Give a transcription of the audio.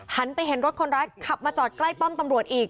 ไปเห็นรถคนร้ายขับมาจอดใกล้ป้อมตำรวจอีก